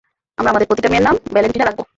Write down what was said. আমরা আমদের প্রতিটা মেয়ের নাম ভ্যালেন্টিনা রাখবো।